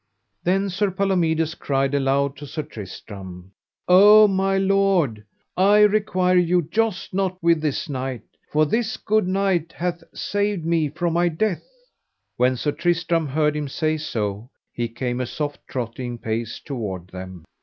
Then Sir Palomides cried aloud to Sir Tristram: O my lord, I require you joust not with this knight, for this good knight hath saved me from my death. When Sir Tristram heard him say so he came a soft trotting pace toward them.